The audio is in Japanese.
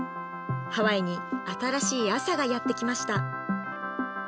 ハワイに新しい朝がやってきました